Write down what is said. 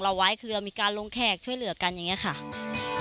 ชาวนาในพื้นที่เข้ารวมกลุ่มและสร้างอำนาจต่อรองได้